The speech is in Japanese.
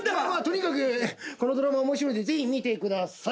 とにかくこのドラマ面白いんでぜひ見てください。